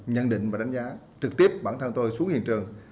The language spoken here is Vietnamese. nhận định và đánh giá trực tiếp bản thân tôi xuống hiện trường